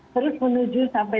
terus menuju sampai